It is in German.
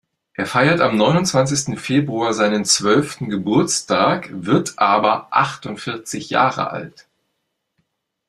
Er feiert am neunundzwanzigsten Februar seinen zwölften Geburtstag, wird aber achtundvierzig Jahre alt.